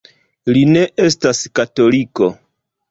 Li ne estas katoliko.